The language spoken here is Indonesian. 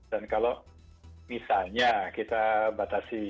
kalau misalnya kita batasi